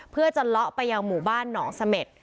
เพื่อจะเลาะไปยังหมู่บ้านหนองเสม็ด